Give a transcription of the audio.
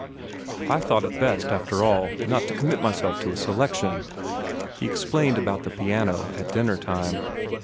"I thought it best, after all, not to commit myself to a selection," he explained about the piano at dinner time.